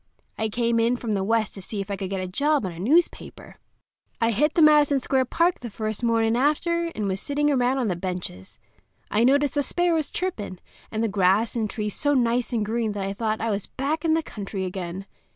I come in from the West to see if I could get a job on a newspaper. I hit the Madison Square Park the first mornin' after, and was sitting around on the benches. I noticed the sparrows chirpin', and the grass and trees so nice and green that I thought I was back in the country again.